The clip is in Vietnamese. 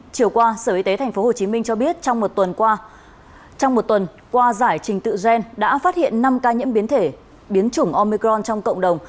chiều qua sở y tế tp hcm cho biết trong một tuần qua giải trình tự gen đã phát hiện năm ca nhiễm biến thể biến chủng omicron trong cộng đồng